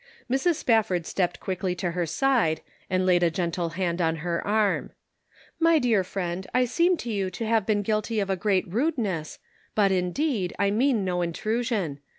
Mrs. Spafford stepped quickly to her side, and laid a gentle hand on her arm : An Open Door. 293 " My dear friend, I seem to you to have been guilty of a great rudeness, but, indeed, I mean no intrusion.